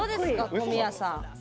小宮さん。